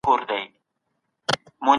هغه څوک چې څېړنه کوي باید بې پرې وي.